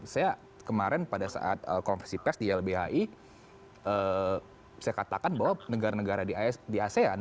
saya kemarin pada saat konversi pes di lbhi saya katakan bahwa negara negara di asean